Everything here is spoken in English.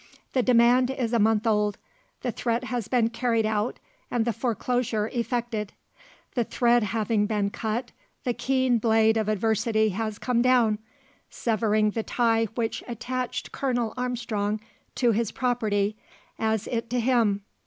The demand is a month old, the threat has been carried out, and the foreclosure effected. The thread having been cut, the keen blade of adversity has come down, severing the tie which attached Colonel Armstrong to his property, as it to him.